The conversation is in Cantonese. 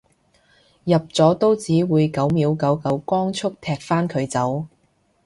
入咗都只會九秒九九光速踢返佢走